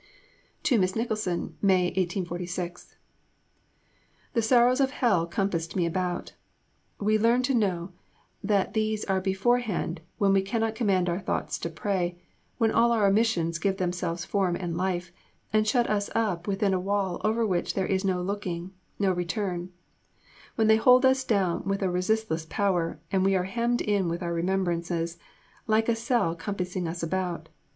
(To Miss Nicholson, May 1846.) "The sorrows of hell compassed me about." We learn to know what these are beforehand, when we cannot command our thoughts to pray, when all our omissions give themselves form and life, and shut us up within a wall over which there is no looking, no return: when they hold us down with a resistless power, and we are hemmed in with our remembrances, like a cell compassing us about.